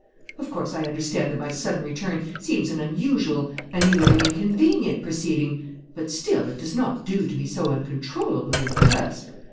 Of course, I understand that my sudden return seems an unusual and even an inconvenient proceeding, but still it does not do to be so uncontrollably impressed.